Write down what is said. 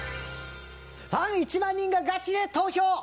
ファン１万人がガチで投票！